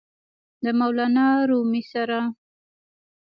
د مولانا رومي سره!!!